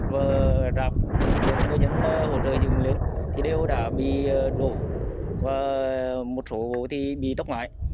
và một số bị tốc mãi